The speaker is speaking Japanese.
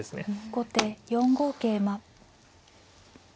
後手４五桂馬。